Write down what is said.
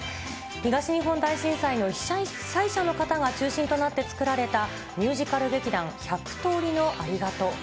東日本大震災の被災者の方が中心となって作られたミュージカル劇団、１００通りのありがとう。